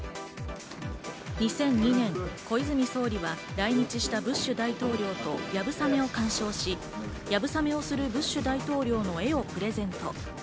２００２年、小泉総理は来日したブッシュ大統領と、流鏑馬を鑑賞し、流鏑馬をするブッシュ大統領の絵をプレゼント。